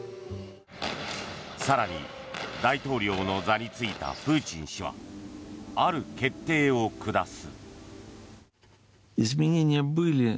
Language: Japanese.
更に、大統領の座に就いたプーチン氏は、ある決定を下す。